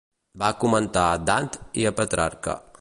Va comentar a Dant i a Petrarca.